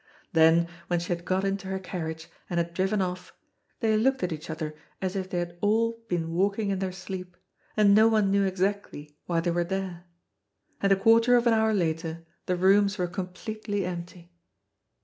Then, when she had got into her carriage, and had driven off, they looked at each other as if they had all been walking in their sleep, and no one knew exactly why they were there. And a quarter of an hour later the rooms were completely empty.